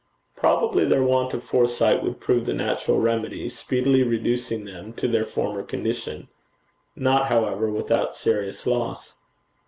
Probably their want of foresight would prove the natural remedy, speedily reducing them to their former condition not however without serious loss.'